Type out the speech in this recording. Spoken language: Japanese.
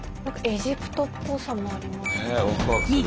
エジプトっぽさもありますね。